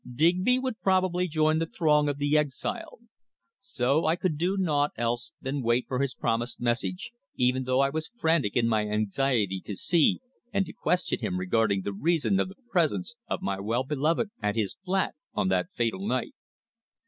Digby would probably join the throng of the exiled. So I could do naught else than wait for his promised message, even though I was frantic in my anxiety to see and to question him regarding the reason of the presence of my well beloved at his flat on that fatal night.